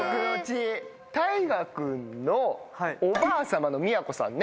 大我君のおばあ様の都さんね。